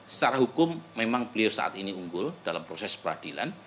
secara hukum memang beliau saat ini unggul dalam proses peradilan